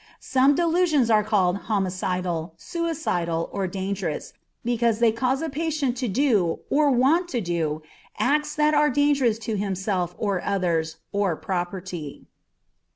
Some delusions are called homicidal, suicidal, or dangerous, because they cause a patient to do, or want to do, acts that are dangerous to himself or others, or property.